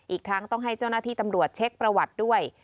อีกทั้งต้องให้เจ้าหน้าที่ตำรวจเช็คประวัติด้วย